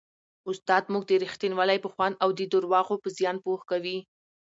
استاد موږ د رښتینولۍ په خوند او د درواغو په زیان پوه کوي.